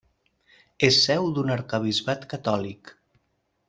És seu d'un arquebisbat catòlic.